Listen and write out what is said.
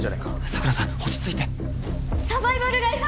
桜さん落ち着いてサバイバルライフ